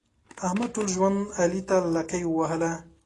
احمد ټول ژوند علي ته لکۍ ووهله.